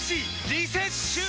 リセッシュー！